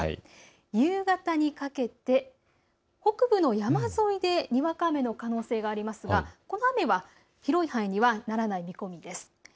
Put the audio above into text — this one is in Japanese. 夕方にかけて北部の山沿いでにわか雨の可能性がありますがこの雨は広い範囲にはならない見込みです。